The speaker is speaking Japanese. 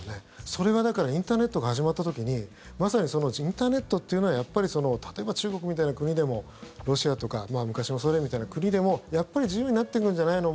それは、だからインターネットが始まった時にまさにインターネットというのは例えば、中国みたいな国でもロシアとか昔のソ連みたいな国でもやっぱり自由になってくるんじゃないの？